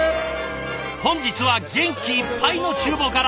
本日は元気いっぱいのちゅう房から。